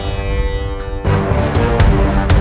belum ada tambahan dari adipati